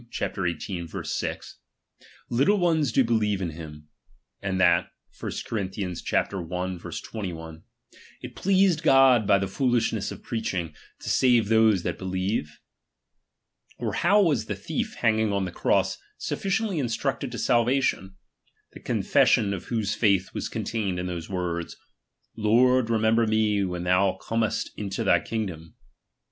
xviii. 6) : little ones do believe in him ; and that (1 Cor. i. 21) : it pleased God by the Jholishness of preaching, to save those that be lieve ? Or how was the thief hanging on the cross sufficiently instructed to salvation, the confession of whose faith was contained in these words : Lord, remember me when thou earnest into thy kingdom